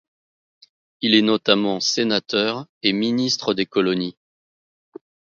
Il est notamment sénateur, et ministre des colonies.